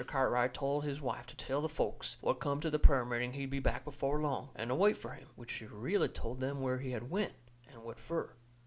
Cartwright told his wife to tell the folks what come to the prayer meeting he'd be back before long, and to wait fur him. Which she really told them where he had went, and what fur.